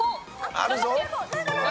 あるぞ。